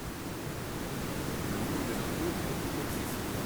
Le niveau des impôts est excessif.